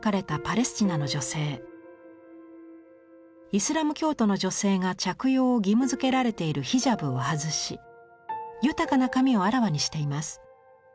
イスラム教徒の女性が着用を義務付けられているヒジャブを外し豊かな髪をあらわにしています。